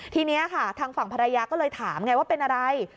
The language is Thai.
ทีนี้ค่ะทางฝั่งภรรยาก็เลยถามไงว่าเป็นอะไร